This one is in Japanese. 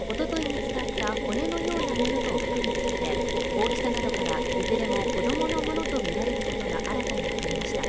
見つかった骨のようなものと服について大きさなどからいずれも子どものものと見られることが新たに分かりました